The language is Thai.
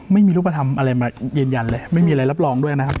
ไม่มีรูปธรรมอะไรมายืนยันเลยไม่มีอะไรรับรองด้วยนะครับ